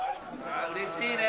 うれしいね。